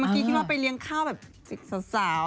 เมื่อกี้คิดว่าไปเลี้ยงข้าวแบบสิกสาว